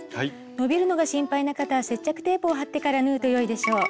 伸びるのが心配な方は接着テープを貼ってから縫うとよいでしょう。